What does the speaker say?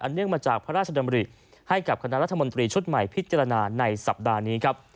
เนื่องมาจากพระราชดำริให้กับคณะรัฐมนตรีชุดใหม่พิจารณาในสัปดาห์นี้ครับ